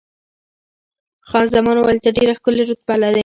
خان زمان وویل، ته ډېره ښکلې رتبه لرې.